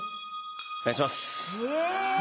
お願いします。